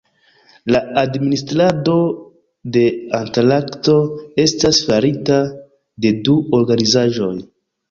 La administrado de Antarkto estas farita de du organizaĵoj.